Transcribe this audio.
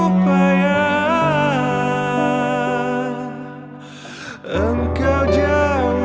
om baik lepasin